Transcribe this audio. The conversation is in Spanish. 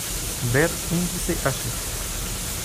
Ver índice h.